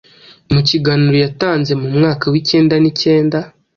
Mu kiganiro yatanze mu mwaka w’ikenda ni kenda